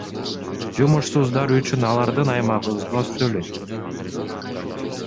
Жумушсуздар үчүн алардын аймагы взнос төлөйт.